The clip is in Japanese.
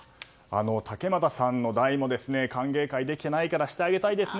竹俣さんの代も歓迎会をできてないからしてあげたいですね。